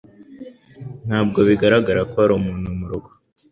Ntabwo bigaragara ko hari umuntu murugo.